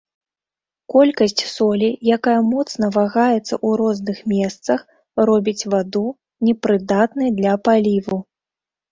Колькасць солі, якая моцна вагаецца ў розных месцах, робіць ваду непрыдатнай для паліву.